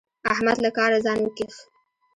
احمد له کاره ځان وکيښ.